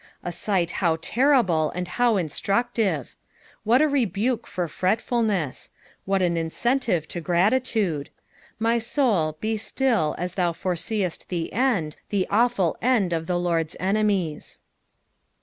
A sig^t how terrible and how instructive 1 VThat a rebuke for fretfulness 1 what an incentive to gratitude ! Hy bouI, be still, as thou foreseest the end, the awful end of the Lord's enemies.